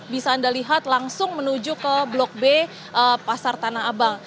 bisa anda lihat langsung menuju ke blok b pasar tanah abang